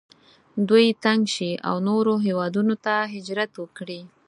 دوی تنګ شي او نورو هیوادونو ته هجرت وکړي.